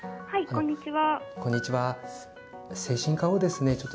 こんにちは。